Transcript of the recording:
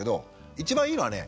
一番いいのはね